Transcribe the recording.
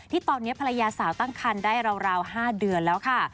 ที่ตอนนี้ภรรยาสาวตั้งคันได้ราว๕เดือนแล้วค่ะ